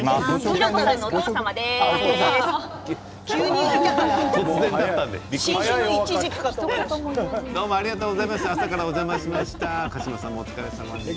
裕子さんのお父様です。